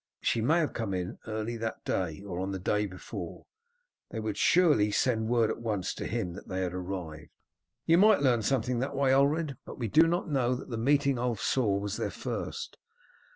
She may have come in early that day, or on the day before. They would surely send word at once to him that they had arrived." "You might learn something that way, Ulred, but we do not know that the meeting Ulf saw was their first."